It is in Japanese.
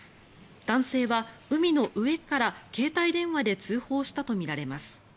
男性は、海の上から携帯電話で通報したとみられます。